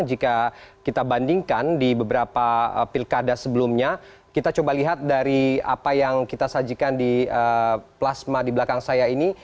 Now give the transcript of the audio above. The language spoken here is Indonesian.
jika kita bandingkan di beberapa pilkada sebelumnya kita coba lihat dari apa yang kita sajikan di plasma di belakang saya ini